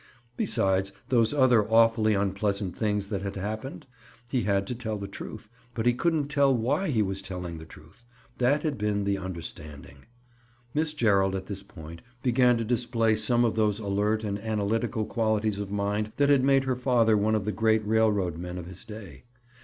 Besides, those other awfully unpleasant things that had happened? He had to tell the truth, but he couldn't tell why he was telling the truth. That had been the understanding. Miss Gerald, at this point, began to display some of those alert and analytical qualities of mind that had made her father one of the great railroad men of his day.